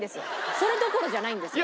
それどころじゃないんですよ。